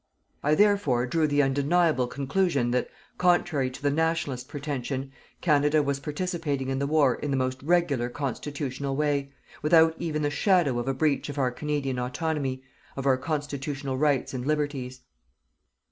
I, therefore, drew the undeniable conclusion that, contrary to the "Nationalist" pretension, Canada was participating in the war in the most regular constitutional way, without even the shadow of a breach of our Canadian autonomy, of our constitutional rights and liberties.